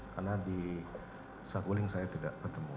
karena di saguling saya tidak bertemu